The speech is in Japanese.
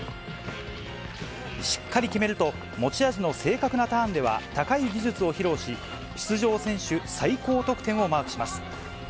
しっかり決めると、持ち味の正確なターンでは高い技術を披露し、出場選手最高得点をマークします。